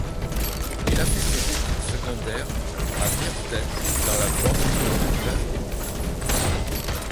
Il a fait ses études secondaires à Bearsden, dans la banlieue de Glasgow.